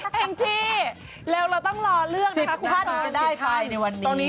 แห่งจี้แล้วเราต้องรอเรื่องนะคะคุณผ้านจะได้ใครในวันนี้